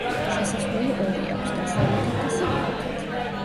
შესასვლელი ორი აქვს: დასავლეთით და სამხრეთით.